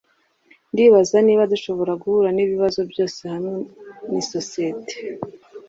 Ndibaza niba dushobora guhura nibibazo byose hamwe nisosiyete.